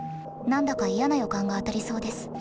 何だか嫌な予感が当たりそうです。